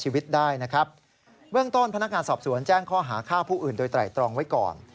เวิ่งต้นพนักงานสอบสวนแจ้งข้อหาค่าผู้อื่นโดยไตรตรองไว้ก่อน